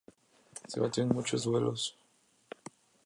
Se batió en muchos duelos.